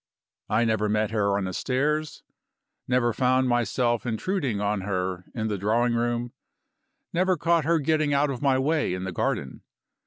I never met her on the stairs, never found myself intruding on her in the drawing room, never caught her getting out of my way in the garden.